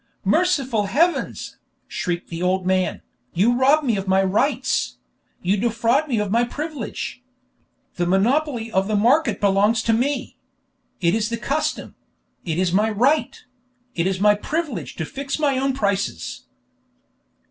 "Merciful heavens!" shrieked the old man, "you rob me of my rights; you defraud me of my privilege. The monopoly of the market belongs to me. It is the custom; it is my right; it is my privilege to fix my own prices."